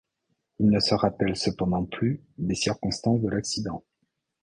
Il ne se rappelle cependant plus des circonstances de l'accident.